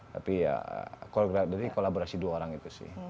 tapi ya jadi kolaborasi dua orang itu sih